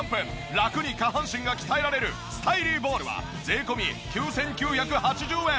ラクに下半身が鍛えられるスタイリーボールは税込９９８０円。